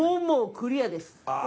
もうクリアです。